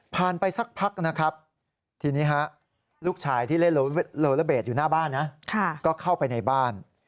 ไปสักพักนะครับทีนี้ลูกชายที่เล่นโลละเบสอยู่หน้าบ้านนะก็เข้าไปในบ้าน